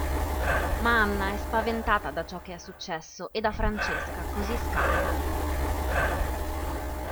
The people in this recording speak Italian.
Ma Anna è spaventata da ciò che è successo e da Francesca, così scappa.